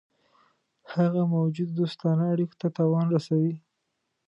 هغه موجودو دوستانه اړېکو ته تاوان رسوي.